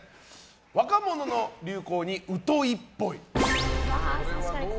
若者の流行にうといっぽい。